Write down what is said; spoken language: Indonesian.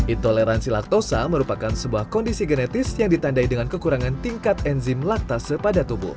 intoleransi laktosa merupakan sebuah kondisi genetis yang ditandai dengan kekurangan tingkat enzim laktase pada tubuh